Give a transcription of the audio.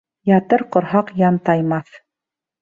Ятыр ҡорһаҡ янтаймаҫ.